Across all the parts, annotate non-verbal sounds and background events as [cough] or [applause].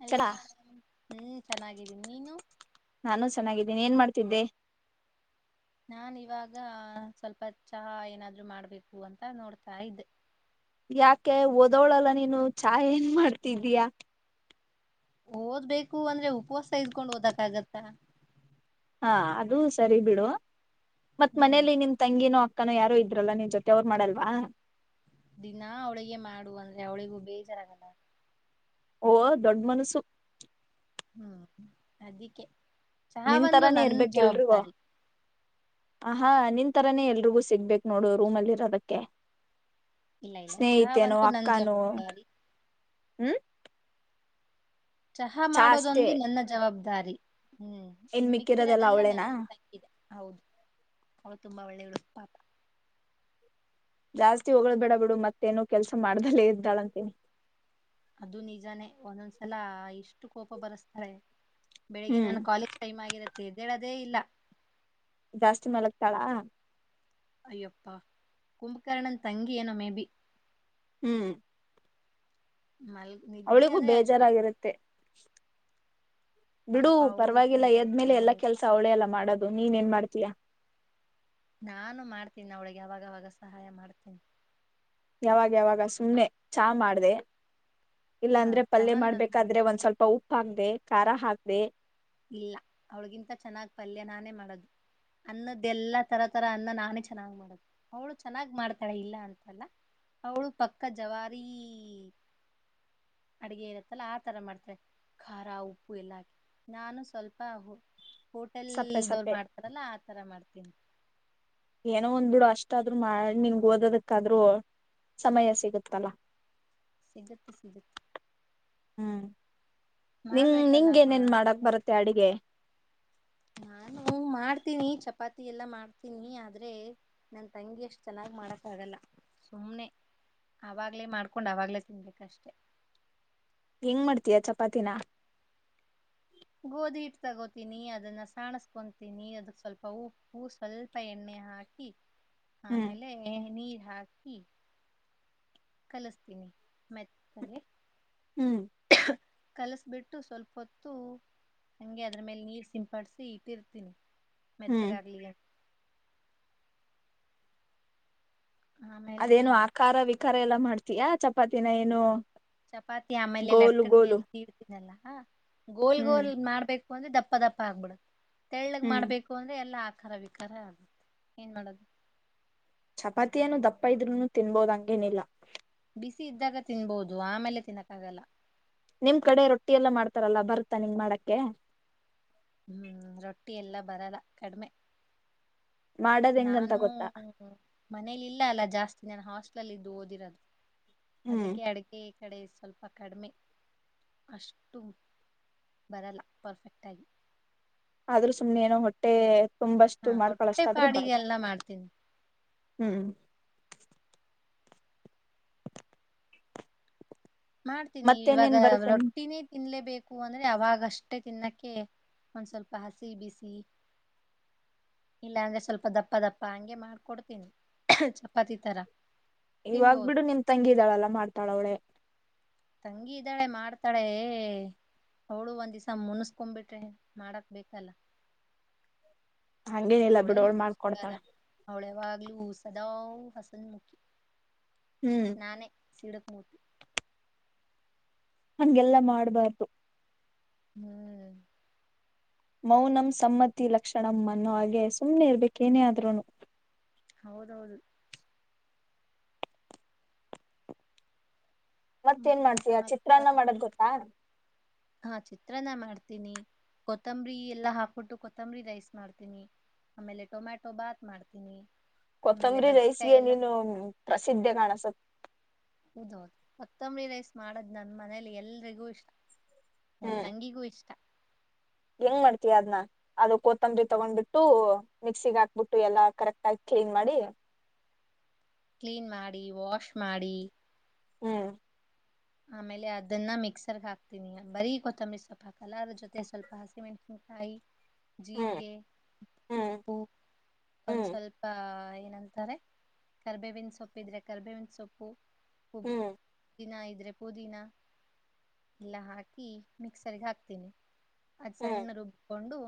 hello ಚಲಾ madam ಹ್ಮ್ ಚೆನ್ನಾಗಿದೆ ನಾನು ಚೆನ್ನಾಗಿದ್ದೀನಿ ಏನ್ ಮಾಡ್ತಾ ತಿದೆ ನಾ ಇವಾಗ ಸ್ವಲ್ಪ ಚಹಾ ಏನಾದ್ರು ಮಾಡ್ಬೇಕು ಅಂತ ನೋಡ್ತಾ ಇದ್ದೆ ಯಾಕೆ ಓದೋಳಲ್ಲ ನೀನು ಚಾ ಏನ್ ಮಾಡ್ತಿದ್ದಯಾ ಓದ್ಬೇಕು ಅಂದ್ರೆ ಉಪವಾಸ ಇದ್ಕೊಂಡ್ ಓದಕ ಆಗತ್ತ ಹಾ ಅದು ಸರಿ ಬಿಡು ಮತ್ ಹ್ಮ್ ಮನೇಲಿ ನಿಮ್ ತಂಗಿನ ಅಕ್ ಅಕ್ಕಾನ ಯಾರು ಇದ್ರಲ್ಲ ನಿನ್ ಜೊತೆ ಅವ್ರು ಮಾಡಲ್ವಾ ದಿನಾ ಅವಳಿಗೆ ಮಾಡುವ ಅಂದ್ರೆ ಅವಳಿಗೂ ಬೇಜಾರಾಗಲ್ಲ ಓ ದೊಡ್ಡ ಮನಸ್ಸು ಹ್ಮ್ ಅದಿಕ್ಕೆ ಚಹಾ ನಿನ್ ಬಂದು ತರಾನೇ ನನ್ ಇರ್ಬೇಕ ಎಲ್ರಿಗೂ ಜವಾಬ್ದಾರಿ ಆಹಾ ನಿನ್ ತರನೆೇ ಎಲ್ರಿಗೂ ಸಿಗ್ಬೇಕಕ್ ನೋಡು ರೂಮಲ್ಲಿ ಇರೋದಕ್ಕೆ ಇಲ್ಲ ಇಲ್ಲ ಚಹಾ ಸ್ನೇಹಿತೇನೋ ಬಂದು ನನ್ ಅಕ್ಕಾನೋ ಜವಾಬ್ದಾರಿ ಹ್ಮ್ ಚಹಾ ಚಾ ಅಷ್ಟೇ ಮಾಡೋದೊಂದು ನನ್ನ ಜವಾಬ್ದಾರಿ ದಾರಿ ಹ್ಮ್ ಇನ್ ಮಿಕ್ಕಿರೋದೆಲ್ಲ ನನ್ ತಂಗಿದೆ ಹೌದು ಅವ ತುಂಬಾ ಒಳ್ಳೆಲೂ ಪಾಪ ಜಾಸ್ತಿ ಹೊಳ್ ಬಿಡ ಬಿಡು ಮತ್ತೇನು ಕೆಲ್ಸ ಮಾಡ್ದಲ್ಲ ಇದ್ದಾಳಂತೇನಿ ಅದು ನಿಜಾನೇ ಒಂದೊಂದ್ಸಲ ಇಷ್ಟು ಕೋಪ ಬರಸ್ತಾರೆ ಬೆಳಗ್ಗೆ ಹ್ಮ್ ನನ್ನ ಕಾಲೇಜ್ ಟೈಮ ಆಗಿರತ್ತೆ ಎದ್ದೇಳದೆ ಇಲ್ಲ ಜಾಸ್ತಿ ಮಲಗ್ತಾಳಾ ಅಯ್ಯಪ್ಪಾ ಕುಂಭಕರ್ಣನ್ ತಂಗಿ ಏನೋ ಮೇಬಿ ಹ್ಮ್ ಮಲ್ ನಿದ್ದೆ ಅವಳಿಗೂ ಅಂದ್ರೆ ಅಷ್ಟು ಬೇಜಾರಾಗಿರುತ್ತೆ ಬಿಡು ಪಾಪ ಅವ್ಳು ಪರವಾಗಿಲ್ಲ ಎದ್ಮೇಲೆ ತಿರ್ಗಾಡ್ತಾಳೆ ಎಲ್ಲ ಕೆಲ್ಸ ಅವಳೆ ಎಲ್ಲಾ ಮಾಡೋದು ನೀನ್ ಏನ್ ಮಾಡ್ತಿ [unintelligible] ನಾನು ಮಾಡ್ತೀನಿ ಅವಳಿಗೆ ಅವಾಗವಾಗ ಸಹಾಯ ಮಾಡ್ತೀನಿ ಯಾವಾಗ ಯಾವಾಗ ಸುಮ್ನೆ ಚಹಾ ಮಾಡ್ದ ಹಾ ಇಲ್ಲಾಂದ್ರೆ ಪಲ್ಯ ಚಹಾ ನಾನ್ ಮಾಡ್ ಮಾಡ್ಬೇಕಾದ್ರೆ ಒಂದ್ ಸ್ವಲ್ಪ ಉಪ್ಪು ಹಾಕ್ದೆ ಖಾರ ಹಾಕ್ದೆ ಇಲ್ಲ ಅವಳಿಗಿಂತ ಚೆನ್ನಾಗ್ ಪಲ್ಯ ನಾನೇ ಮಾಡೋದು ಅನ್ನದ್ದಲ್ಲಾ ತರ ತರ ಅನ್ನ ನಾನೇ ಚೆನ್ನಾಗ್ ಮಾಡದು ಅವಳು ಚೆನ್ನಾಗ್ ಮಾಡ್ತಾಳೆ ಇಲ್ಲ ಅಂತೆಲ್ಲ ಅವಳು ಪಕ್ಕ ಜವಾರಿ ಅಡುಗೆ ಇರತ್ತಲ್ಲ ಆತರ ಮಾಡ್ತಾಳೆ ಖಾರ ಉಪ್ಪು ಎಲ್ಲಾಕಿ ನಾನು ಸ್ವಲ್ಪ ಅಹು ಹೋಟೆಲ್ ಸಪ್ಪೆ ಇರುದವ್ರ ಸಪ್ಪೆ ಮಾಡ್ತಾರಲ್ಲಾ ಆತರ ಮಾಡ್ತಾರೆ ಹ ಏನೋ ಒಂದ್ಬ ಬಿಡು ಅಷ್ಟಾದ್ರು ಮಾಡ ನಿಂಗಗೆ ಓದೋದಕ್ಕಾದ್ರೂ ಸಮಯ ಸಿಗತ್ತಲ್ಲ ಸಿಗತ್ತು ಸಿಗತ್ [unintelligible] ಹ್ಮ್ ನಿಂಗ ನಿಂಗ ಏನೇನ್ ಮಾಡಕ್ ಬರುತ್ತೆ ಅಡುಗೆ ನಾನು ಮಾಡ್ತೀನಿ ಚಪಾತಿ ಎಲ್ಲ ಮಾಡ್ತೀನಿ ಆದ್ರೆ ನನ್ ತಂಗಿ ಎಷ್ಟ್ ಚೆನ್ನಾಗಿ ಮಾಡಕ್ಕ ಆಗಲ್ಲ ಸುಮ್ನೆ ಆವಗ್ಲೇ ಮಾಡ್ಕೊಂಡ್ ಅವಾಗ್ಲೇ ತಿನ್ಬೇಕಷ್ಟೆ ಹೆಂಗ ಮಾಡ್ತೀಯ ಚಪಾತಿನ ಗೋಧಿಹಿಟ್ಟು ತಗೋತೀನಿ ಅದನ್ನ ಸಾಣಸ್ಕೊತೀನಿ ಅದಕ್ ಸ್ವಲ್ಪ ಉಪ್ಪು ಸ್ವಲ್ಪ ಎಣ್ಣೆ ಹಾಕಿ ಹ್ಮ್ ಆಮೇಲೆ ಎಳ್ನೀರ್ ಹಾಕಿ ಕಲಿಸ್ತೀನಿ ಮೆತ್ತಗೆ ಹ್ಮ್ ಕಲಸಬಿಟ್ಟು ಸ್ವಲ್ಪ ಹೊತ್ತು ಹಂಗೆ ಅದ್ರ ಮೇಲೆ ನೀರ್ ಸಿಂಪಾಡ್ಸಿ ಇಟ್ಟಿರ್ತೀನಿ ಹ್ಮ್ ಮೆತ್ತಗಾಗ್ಲಿ ಆಮೇಲೆ ಅದೇನು ಆಕಾರ ವಿಕಾರ ಎಲ್ಲ ಮಾಡ್ತಯಾ ಚಪಾತಿನ ಏನು ಚಪಾತಿ ಆಮೇಲೆ ಗೋಲು ಲಟ್ಕ್ಕನ್ಗೆ ಗೋಲು ಎಲ್ಲಿ ತೀಡುರ್ತಿರಲ್ಲ ಹಾ ಗೋಲ್ ಹ್ಮ್ ಗೋಲ್ ಮಾಡ್ಬೇಕು ಒಂದೆ ದಪ್ಪ ದಪ್ಪ ಆಗ್ಬಿಡುತ್ತೆ ತೆಳ್ಳಗ್ ಹ್ಮ್ ಮಾಡ್ಬೇಕು ಅಂದ್ರೆ ಎಲ್ಲ ಆ ಖರ ವಿಕಾರ ಆಗುತ್ತೆ ಏನ್ ಮಾಡೋದು ಚಪಾತಿಯನ್ನು ದಪ್ಪ ಇದ್ನು ತಿನ್ಬೋದ ಹಂಗೇನಿಲ್ಲ ಬಿಸಿ ಇದ್ದಾಗ ತಿನ್ಬಹದು ಆಮೇಲೆ ತಿನ್ನಕ್ಕ ಆಗಲ್ಲ ನಿಮ್ ಕಡೆ ರೊಟ್ಟಿ ಎಲ್ಲ ಮಾಡ್ತಾರಲ್ಲ ಬರ್ತಾ ನಿಂಗೆ ಮಾಡಕ್ಕೆ ಹ್ಮ್ ರೊಟ್ಟಿ ಎಲ್ಲಾ ಬರಲ್ಲ ಕಡಿಮೆ ಮಾಡದ್ ಹೆಂಗಂತ ನಾನು ಗೊತ್ತಾ ಮನೇಲಿ ಇಲ್ಲ ಅಲ್ಲ ಜಾಸ್ತಿ ನನ್ ಹಾಸ್ಟ್ಲಲ್ಲಿ ಇದ್ದು ಓದಿರೋದು ಹ್ಮ್ ಅದಕ್ಕೆ ಅಡುಗೆ ಕಡೆ ಸ್ವಲ್ಪ ಕಡಿಮೆ ಅಷ್ಟು ಬರಲ್ಲ ಪರ್ಫೆಕ್ಟಾಗಿ ಆದ್ರೂ ಸುಮ್ನೆ ಏನೋ ಹೊಟ್ಟೆ ತುಂಬಷ್ಟು ಹಾ ಹೊಟ್ಟೆ ಮಾಡ್ಕೊಳಷ್ಟಾದ್ ಬರುತ್ತೆ ಪಾಡಿಗೆಲ್ಲ ಮಾಡ್ತೀನಿ ಹ್ಮ್ ಮಾಡ್ತೀನಿ ಇವಾಗ ಮತ್ತೇನೇನ್ ಬರುತ್ತೆ ರೊಟ್ಟಿನೇ ತಿನ್ಲೇಬೇಕು ಉಕ್ಕು ಅಂದ್ರೆ ಅವಾಗಷ್ಟೇ ತಿನ್ನಕ್ಕೆೆ ಒಂದ್ ಸ್ವಲ್ಪ ಹಸಿ ಬಿಸಿ ಇಲ್ಲಾ ಅಂದ್ರೆ ಸ್ವಲ್ಪ ದಪ್ಪ ದಪ್ಪ ಹಂಗೆ ಮಾಡ್ಕೊಡ್ತೀನಿ ಚಪಾತಿ ತರ ಇವಾಗ್ ತಿನ್ಬೋದು ಬಿಡು ನಿಮ್ ತಂಗಿದಾಳಲ್ಲ ಮಾಡ್ತಾಳ ಅವಳೆ ತಂಗಿ ಇದ್ದಾಳೆ ಮಾಡ್ತಾಳೆ ಅವಳು ಒಂದ್ ದಿನ ಮುನ್ಸ್ಕೊಬಿಟ್ರೆ ಮಾಡಕ್ ಬೇಕಲ್ಲ ಹಂಗೇನಿಲ್ಲ ಬಿಡವಳ ಮಾಡ್ಕೊಡ್ತಾಳ ನೀವು ಸದಾವ್ ಹಸನ್ ಮುಖಿ ಹ್ಮ್ ನಾನೇ [unintelligible] [inaudible] ಹಂಗೆಲ್ಲಾ ಮಾಡ್ಬಾರ್ದು ಹ್ಮ್ ಮೌನಂ ಸಮ್ಮತಿ ಲಕ್ಷಣಂ ಅನ್ನೋ ಹಾಗೆ ಸುಮ್ನೆ ಇರ್ಬೇಕೇನೇ ಆದ್ರೂನು ಹೌದೌದು ಮತ್ತೇಏನ್ ಮತ್ತೇನ್ ಮಾಡ್ತೀಯ ಸಮಾಚಾರ ಚಿತ್ರಾನ್ನ ಮಾಡೋದ್ ಗೊತ್ತಾ ಹಾ ಚಿತ್ರನ ಮಾಡ್ತೀನಿ ಕೊತ್ತಂಬರಿ ಎಲ್ಲಾ ಹಾಕ್ಬಿಟ್ಟು ಕೊತ್ತಂಬರಿ ರೈಸ್ ಮಾಡ್ತೀನಿ ಆಮೇಲೆ ಟೊಮ್ಯಾಟೊ ಭಾತ್ ಮಾಡ್ತೀನಿ ಆಮೇಲೆ ಕೊತ್ತಂಬರಿ ಬದ್ನೇಕಾಯಿ ರೈಸ್ಗೆ ಎಲ್ಲ ನೀನು ಪ್ರಸಿದ್ಧಿ ಕಾಣಸುತ್ತೆ ಹೌದೌದು ಕೊತ್ತಂಬರಿ ರೈಸ್ ಮಾಡದ್ ನನ್ ಮನಲಿ ಎಲ್ರಿಗೂ ಇಷ್ಟ ನನ್ ಹ್ಮ್ ತಂಗಿಗೂ ಇಷ್ಟ ಹೆಂಗ್ ಮಾಡ್ತವಿ ಅದ್ನ ಅದು ಕೊತಂಬರಿ ತಗೊಂಡ್ಬಿಟ್ಟು ಮಿಕ್ಸಿಗ್ ಹಾಕ್ಬಿಟ್ಟು ಎಲ್ಲಾ ಕರೆಕ್ಟ್ ಆಗ ಕ್ಲೀನ್ ಮಾಡಿ ಕ್ಲೀನ್ ಮಾಡಿ ವಾಶ್ ಮಾಡಿ ಹ್ಮ್ ಆಮೇಲೆ ಅದನ್ನ ಮಿಕ್ಸರ್ಗ್ ಹಾಕ್ತೀನಿ ಬರೀ ಕೊತ್ತಂಬರಿ ಸ್ವಲ್ಪ ಹಾಕಲ್ಲ ಅದ ಜೊತೆ ಸ್ವಲ್ಪ ಹಸಿಮೆಣಸಿನ್ಕಾಯಿ ಹ್ಮ್ ಜೀರಿಗೆ ಹ್ಮ್ ಉಪ್ಪು ಒಂದ್ ಹ್ಮ್ ಸ್ವಲ್ಪ ಏನಂತಾರೆ ಕರ್ಬೇವಿನ ಸೊಪ್ಪು ಇದ್ರೆ ಕರ್ಬೇವಿನ ಸೊಪ್ಪು ಹ ಹ್ಮ್ ಇನದು ಪುದೀನ ಎಲ್ಲ ಹಾಕಿ ಮಿಕ್ಸರ್ಗೆ ಹಾಕ್ತೀನಿ ಹಾ ಹ್ಮ್ ಸಣ್ಣ ರುಬ್ಕೊಂಡು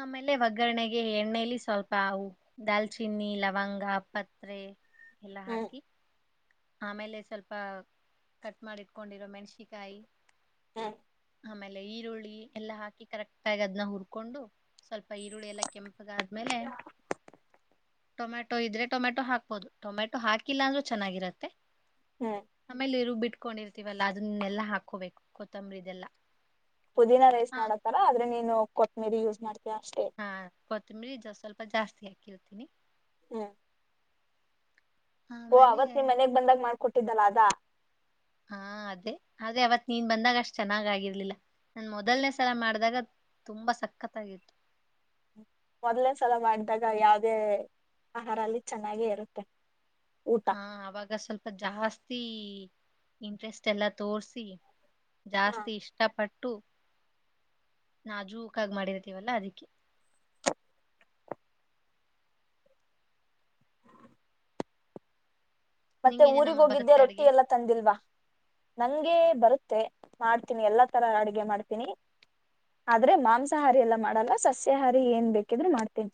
ಆಮೇಲೆ ಒಗ್ಗರಣೆಗೆ ಎಣ್ಣೇಲಿ ಸ್ವಲ್ಪ ಅವು ದಾಲ್ಚಿನ್ನಿ ಲವಂಗ ಪತ್ರೆ ಎಲ್ಲಾ ಹ್ಮ್ ಹಾಕಿ ಆಮೇಲೆ ಸ್ವಲ್ಪ ಕಟ್ ಮಾಡಿಟ್ಕೊಂಡಿರೋ ಮೆಣಸಿಕಾಯಿ ಹ್ಮ ಆಮೇಲೆ ಈರುಳ್ಳಿ ಎಲ್ಲ ಹಾಕಿ ಕರೆಕ್ಟ್ ಆಗಿ ಅದನ್ನ ಹುರ್ಕೊಂಡು ಸ್ವಲ್ಪ ಈರುಳ್ಳಿ ಎಲ್ಲ ಕೆಂಪಗಾದ್ಮೇಲೆ ಟೊಮೆಟೊ ಇದ್ರೆ ಟೊಮೆಟೊ ಹಾಕ್ಬೋದು ಟೊಮೆಟೊ ಹಾಕಿಲ್ಲ ಅಂದ್ರರು ಚೆನ್ನಾಗಿರತ್ತೆ ಹ್ಮ್ ಆಮೇಲೆ ಇರು ಬಿಟ್ಟು ಇಟ್ಕೊಂಡಿರ್ತಿವಲ್ಲಾ ಅದನ್ನೆಲ್ಲಾ ಹಾಕೋಬೇಕು ಕೊತ್ತಂಬರಿದೆಲ್ಲಾ ಪುದೀನ ರೈಸ್ ಮಾಡೋತ್ತರ ಆದ್ರೆ ನೀನು ಕೊತ್ತಂಬರಿ ಯೂಸ್ ಮಾಡ್ತೀಯ ಅಷ್ಟೇ ಹಾ ಕೊತ್ತಂಬರಿ ಜ ಸ್ವಲ್ಪ ಜಾಸ್ತಿ ಕೇಳ್ತೀನಿ ಹ್ಮ ಓ ಆಮೇಲೆ ಅವತ್ ನೀನ್ ಮನೆಗ್ ಬಂದಾಗ ಮಾಡ್ಕೊಟ್ಟಿದ್ದಲ್ಲ ಅ ದಾ ಹಾ ಅದೇ ಆದೆ ಅವತ್ ನೀನ್ ಬಂದಾಗ ಅಷ್ಟ್ ಚೆನ್ನಾಗ್ ಆಗಿರ್ಲಿಲ್ಲ ನನ್ ಮೊದಲನೇ ಸಲ ಮಾಡಿದಾಗ ತುಂಬಾ ಸಕ್ಕತ್ತಾಗಿತ್ತು ಮೊದ್ಲೆೇ ಸಲ ಮಾಡಿದಾಗ ಯಾವ್ದೇ ಆಹಾರಲ್ಲಿ ಚೆನ್ನಾಗೇ ಇರುತ್ತೆ ಊಟ ಹಾ ಅವಾಗ ಸ್ವಲ್ಪ ಜಾಸ್ತಿ ಇಂಟ್ರೆಸ್ಟ್ ಎಲ್ಲ ತೋಸಿ ಹ ಜಾಸ್ತಿ ಇಷ್ಟಪಟ್ಟ ನಾಜೂಕಾಗಿ ಮಾಡಿರ್ತೀವಲ್ಲಾ ಅದಿಕ್ಕೆ ಮತ್ತೆ ನಿಂಗೇನೆ ಊರಿಗ್ ನಮ್ಮ ಹೋಗಿದ್ದೆ ಬರುತ್ತೆ ರೊಟ್ಟಿ ಅಡ್ಗೆ ಎಲ್ಲಾ ತಂದಿಲ್ವಾ ನ ಹಂಗೆ ಬರುತ್ತೆ ಮಾಡ್ತೀನಿ ಎಲ್ಲಾ ತರ ಅಡಗೆ ಮಾಡ್ತೀನಿ ಆದ್ರೆ ಮಾಂಸಾಹಾರಿ ಎಲ್ಲಾ ಮಾಡಲ್ಲ ಸಸ್ಯಹಾರಿ ಏನ್ ಬೇಕಿದ್ರರು ಮಾಡ್ತೀನಿ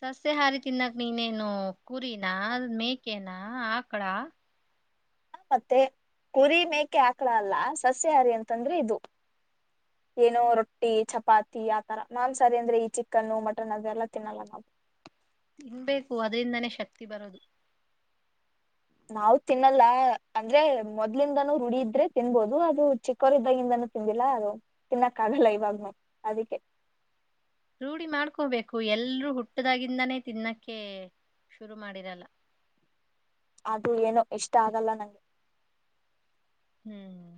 ಸಸ್ಯ ಹಾರಿ ತಿನ್ನಕ್ ನೀನೇನು ಕುರಿನಾ ಮೇಕೆನಾ ಆಕಳ ಹ ಮತ್ತೆ ಕುರಿ ಮೇಕೆ ಹಾಕ್ಳ ಅಲ್ಲ ಸಸ್ಯಹಾರಿ ಅಂತಂದ್ರೆ ಇದು ಏನೋ ರೊಟ್ಟಿ ಚಪಾತಿ ಆತರ ಮಾನ್ಸಾರಿ ಅಂದ್ರೆ ಈ ಚಿಕನ್ನು ಮಟನ್ ಅದೆಲ್ಲ ತಿನ್ನಲ್ಲ ನಾವು ಇನ್ ಬೇಕು ಅದರಿಂದನೇ ಶಕ್ತಿ ಬರೋದು ನಾವವು ತಿನ್ನಲ್ಲ ಅಂದ್ರೆ ಮೊದ್ಲಿಂದನೂ ರುಡಿಿದ್ರೆ ತಿನ್ಬೋದು ಅದು ಚಿಕ್ಕವರಿದ್ದಾಗಿಂದನೂ ತಿಂದಿಲ್ಲ ಅದು ತಿನ್ನಕ್ಕ ಆಗಲ್ಲ ಇವಾಗ್ನು ಅದಕ್ಕೆ ರೂಢಿ ಮಾಡ್ಕೋಬೇಕು ಎಲ್ರೂ ಹುಟ್ಟದಾಗಿಿಂದಾನೇ ತಿನ್ನಕ್ಕೆ ಶುರು ಮಾಡಿರಲ್ಲ ಅದು ಏನು ಇಷ್ಟ ಆಗಲ್ಲ ನಂಗೆ ಹ್ಮ್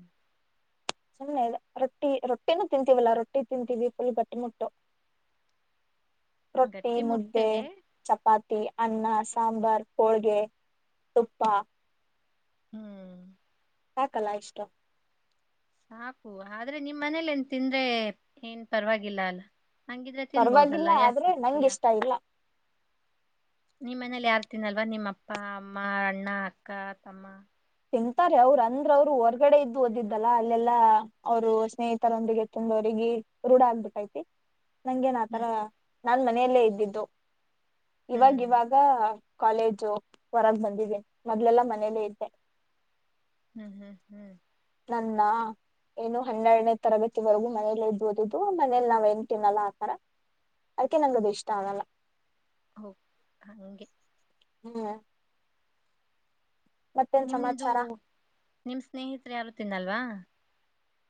ಸುಮ್ಮನೆ ಇ ರೊಟ್ಟಿ ರೊಟ್ಟಿನೂ ತಿಂತೀವಲ್ಲಾ ರೊಟ್ಟಿ ತಿಂತೀವಿ ಫುಲ್ ಬಟ್ಟಿ ಮುಟ್ಟು ರೊಟ್ಟಿ ಗಟ್ಟಿ ಮುದ್ದೆ ಮುಟ್ಟೆ ಚಪಾತಿ ಅನ್ನ ಸಾಂಬಾರ್ ಹೋಳ್ಗೆ ತುಪ್ಪ ಹ್ಮ್ ಹಾಕಲ್ಲ ಇಷ್ಟು ಸಾಕು ಆದ್ರೆ ನಿಮ್ ಮನೇಲಿ ಏನ್ ತಿಂದ್ರೆ ಏನ್ ಪರವಾಗಿಲ್ಲ ಅಲ್ಲ ಹಂಗಿದ್ರೆ ತಿನ್ಬೋದಲ್ಲ ಪರವಾಗಿಲ್ಲ ಆದ್ರೆ ನಂಗೆ ಯಾಕೆತಯಾ ಇಷ್ಟ ಇಲ್ಲ ನಿಮ್ಮನಲಿ ಎ ಯಾರ್ ತಿಿನಲ್ವಾ ನಿಮ್ಮ ಅಪ್ಪ ಅಮ್ಮ ಅಣ್ಣ ಅಕ್ಕ ತಮ್ಮ ತಿಂತಾರೆ ಅವ್ರು ಅಂದ್ರ ಅವ್ರು ಹೊರ್ಗಡೆ ಇದ್ದು ಓದಿದ್ದಲ್ಲ ಅಲ್ಲೆಲ್ಲಾ ಅವರು ಸ್ನೇಹಿತರೊಂದಿಗೆ ತುಂಬವರಿಗೆಿ ರೂಢ ಆಗ್ಬಿಟ್ಟೈತಿ ನಂಗ ೇನ್ ಆತರ ಹ್ಮ್ ನಾನ್ ಮನೆಯಲ್ಲೇ ಇದ್ದಿದ್ದು ಇವಾಗ ಹ್ಮ್ ಇವಾಗ ಕಾಲೇಜು ಹೊರಾಗ ಬಂದಿದ್ದೀನಿ ಮೊದ್ಲೆಲ್ಲಾ ಮನೇಲ್ಲೇ ಇದ್ದೆ ಹ್ಮ್ ಹ್ಮ್ ಹ್ಮ್ ನನ್ನ ಏನು ಹನ್ನೆರನೇ ತರಗತಿವರೆಗೂ ಮನೇಲಿ ಇದಬೋದಿದ್ದು ಮನೇಲಿ ನಾವ್ ಎನ್ ತಿನ್ನಲ್ಲ ಆತರ ಅದಕ ನಂಗದು ಇಷ್ಟ ಆಗಲ್ಲ ಹಓ ಹಗೆ ಹ್ಮ್ ಮತ್ತೇನ್ ನಿಮ್ದು ಸಮಾಚಾರ ನಿಮ್ ಸ್ನೇಹಿತರು ಯಾರು ತಿಿಂದಲ್ವಾ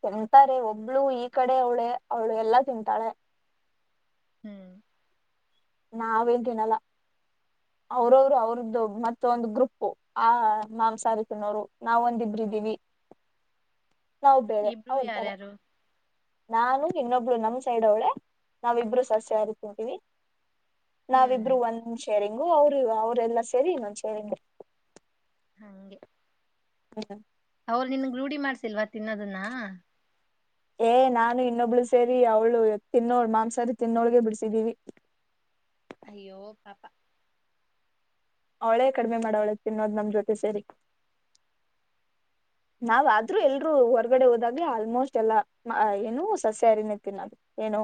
ತಿಂತಾರೆ ಒಬ್ಳು ಈ ಕಡೆ ಅವಳೆ ಅವಳು ಎಲ್ಲಾ ತಿಂತಾಳೆ ಹ್ಮ್ ನಾವೇನ್ ತಿನಲ್ಲ ಅವ್ರವರು ಅವ್ರದ್ದು ಮತ್ತ ಒಂದು ಗ್ರೂಪ್ು ಆ ಮಾಂಸಾರ ತಿನೋರು ನಾವ್ ಒಂದಿಬ್ರಿದ್ದೀವಿ ನಾವು ಬೇರೆ ಇಬ್ರು ಅವಂತಾರೆ ಯಾರ್ಯಾರು ನಾನು ಇನ್ನೊಬ್ಳ ನಮ್ ಸೈಡ್ ಅವಳೆ ನಾವಿಬ್ರು ಸಸ್ಯವ ತಿಂತೀವಿ ನಾವ ಹ್ಮ್ ಇಬರು ಒನ್ ಸರಿಂಗು ಅವ್ರು ಅವ್ರಲ್ಲಾ ಸೇರಿ ಇನ್ನೊಂದ ಸರಿಂಗ ಹಗೆ ಹೌದ ಅವರು ನಿನ್ಗ್ ರೂಢಿ ಮಾಡ್ಸಿಲ್ವಾ ತಿನ್ನೋದನ್ನ ಏ್ ನಾನು ಇನ್ನೊಬ್ಳು ಸೇರಿ ಅವ್ಳು ತಿನ್ನೋಳ್ ಮಾಂಸಾರಿ ತಿನ್ನೋಳ್ಗೆ ಬಿಡಿಸಿದ್ದೀವಿ ಅಯ್ಯೋ ಪಪಾ ಅವಳೇ ಕಡಿಮೆ ಮಾಡೋವಳೆ ತಿನ್ನೋದ ನಮ ಜೊತೆ ಸೇರಿ ನಾವ ಆದ್ರೂ ಎಲ್ರುೂ ಹೊರ್ ಹೊಗಡೆ ಹೋದಾಗ್ ಆಲ್ಮೋಸ್ಟ್ ಎಲ್ಲಾ ಏನು ಸಸ್ಯಾರನ ತಿನ ಅದು ಏನು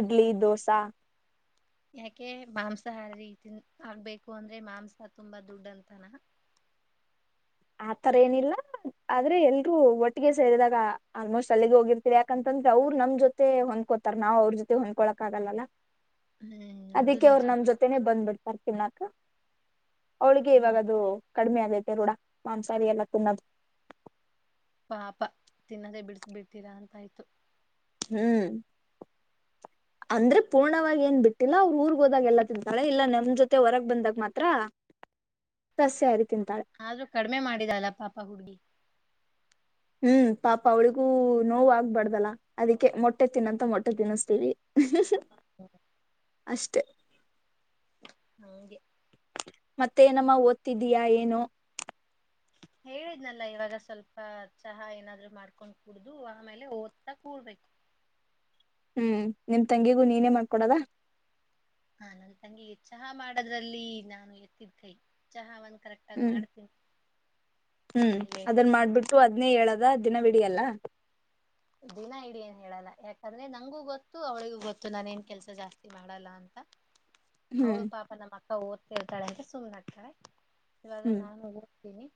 ಇಡ್ಲಿ ದೋಸಾ ಯಾಕೆ ಮಾಂಸಾಹಾರಿೀತನ್ ಆಗ್ಬೇಕು ಅಂದ್ರೆ ಮಾಂಸ ತುಂಬಾ ದುಡ್ಡ ಅಂತನ ಆತರ ಏನಿಲ್ಲ ಆದ್ರೆ ಎಲ್ರುೂ ಒಟ್ಟಿಗೆ ಸೇರಿದಾಗ ಆಲ್ಮೋಸ್ಟ್ ಅಲ್ಲಿಗೆ ಹೋಗಿರ್ತಿೀವಿ ಯಾಕಂತಂದ್ರೆ ಅವ್ರು ನಮ್ ಜೊತೆ ಹೊಂದ್ಕೋತಾರ ನಾವ್ ಅವ್ರ ಜೊತೆ ಹೊಂದ್ಕೊಳಕ್ ಆಗಲ್ಲಾ ಹ್ಮ್ ಅದು ಅದಕ್ಕೆ ಅವ್ರು ನಿಜಾನೇ ನಮ ಜೊತೆನೆೇ ಬಂದ್ಬಿಡ್ತಾರೆ ತಿ ಅವಳಿಗೆ ಇವಾಗ ಹ್ಮ್ ಅದು ಕಡಿಮೆ ಆಗೈ ಎೋಡ ಮಾಂಸಾರಿ ಅ ತುನ್ನ ಪಾಪ ತಿನ್ನದೇ ಬಿಡಸ ಬಿಡ್ತೀರಾ ಅಂತಯ್ತು ಹ್ಮ್ ಅಂದ್ರೆ ಪೂರ್ಣವಾಗಿ ಏನ್ ಬಿಟ್ಟಿಲ್ಲ ಅವ್ರ ಊರ್ಗ್ ಹೋದಾಗ ಎಲ್ಲ ತಿಿಂದತಾಳೆ ಇಲ್ಲ ನಮ ಜೊತೆ ಹೊರಗ್ ಬಂದಾಗ ಮಾತ್ರ ಸಸ್ಯ ಆತಿ ಆದ್ರೂ ಕಡಿಮೆ ಮಾಡಿದಲ್ಲ ಪಾಪ ಹುಡ್ಗಿ ಹ್ಮ್ ಪಾಪ ಅವಳಿಗೂ ನೋವು ಆಗ್ಬಾರ್ದಲ್ಲ ಅದಿಕ್ಕೆ ಮೊಟ್ಟೆ ತಿನ್ನಂತ ಮೊಟ್ಟೆ ತಿನ್ನಸ್ತೀವಿ ಹ್ಮ ಅಷ್ಟೇ ಹಗೆ ಮತ್ತೇನಮ್ಮ ಓದ್ತಿದ್ದೀಯಾ ಏನೋ ಹೇಳಿದ್ನಲ್ಲ ಇವಾಗ ಸ್ವಲ್ಪ ಚಹಾ ಏನಾದ್ರು ಮಾಡ್ಕೊಂಡ್ ಕುೂಡ್ದು ಆಮೇಲೆ ಓದ್ತಾ ಕೂಡ್ಬೇಕು ಹ್ಮ್ ನಿಮ್ ತಂಗಿಗೂ ನೀನೇ ಮಾಡ್ಕೊಡದ ಹ ನನ್ ತಂಗಿಗೆ ಚಹಾ ಮಾಡದ್ರಲ್ಲಿ ನಾನು ಎತ್ತಿದ್ ಕೈ ಚಹ ಒಂದ ಹ್ಮ್ ಹ್ಮ್ ಆಮೇಲೆ ಅದನ್ ಮಾಡ್ಬಿಟ್ಟು ಅದ್ನೇ ಹೇಳದ ಅದ್ ದಿನವಿಡಿ ಎಲ್ಲ ದಿನ ಇಡೀ ಏನ್ ಹೇಳಲ್ಲ ಯಾಕಂದ್ರೆ ನಂಗೂ ಗೊತ್ತು ಅವಳಿಗೂ ಗೊತ್ತು ನಾನ್ ಏನ್ ಕೆಲ್ಸ ಜಾಸ್ತಿ ಮಾಡಲ್ಲ ಅಂತ ಹ್ಮ್ ಅವಳು ಪಾಪ ನಮ್ಮ ಅಕ್ಕಾ ಓ ತಳ್ತಡಕ್ಕೆ ಸುಮನಾಟಕ ಇವಾಗ ಹ್ಮ್ ನಾನು [unintelligible]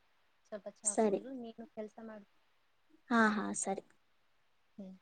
ಸ್ವಲ್ಪ ಚಾ ಸರಿ ಕುಡಿದು ನೀ ಕೆಲಸ ಮಾಡ ಹಾ ಹಾ ಸರಿ ಹ್ಮ್